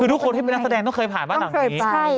คือทุกคนที่เป็นนักแสดงต้องเคยผ่านบ้านหลังนี้